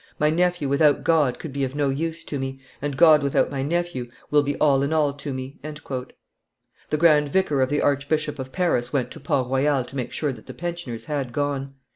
My nephew without God could be of no use to me, and God without my nephew will be all in all to me." The grand vicar of the Archbishop of Paris went to Port Royal to make sure that the pensioners had gone.